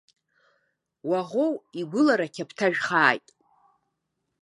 Уаӷоу игәылара қьаԥҭажәхааит.